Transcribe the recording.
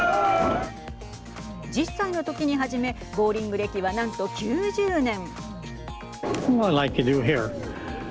１０歳の時に始めボウリング歴は、なんと９０年。